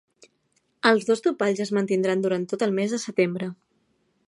Els dos topalls es mantindran durant tot el mes de setembre.